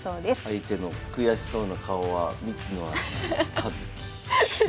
「相手の悔しそうな顔は密の味かずき」。